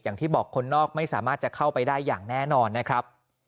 อย่างที่บอกคนนอกไม่สามารถจะเข้าไปได้อย่างแน่นอนนะครับ